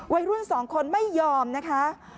วัยรุ่น๒คนไม่ยอมนะคะ